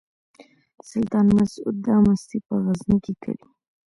سلطان مسعود دا مستي په غزني کې کوي.